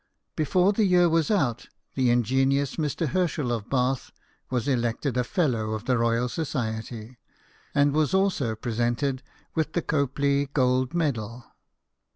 Before the year was out, the ingenious Mr. Hcrschel of Bath was elected a Fellow of the Royal Society, and was also presented with the Copley gold medal.